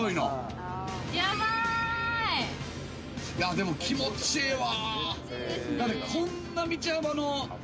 でも気持ちええわ。